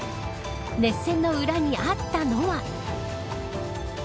熱戦の裏にあったのは。